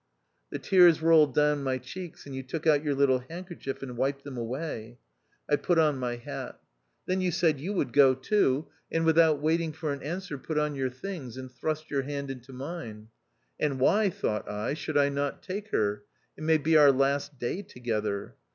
The tears rolled down my cheeks, and you took out your little handkerchief and wiped them away. I put on my hat. Then 228 THE OUTCAST. you said you would go too, aud without waiting for an answer put on your things, and thrust your hand into mine. "And why," thought I, " should I not take her ? It may be our last day together."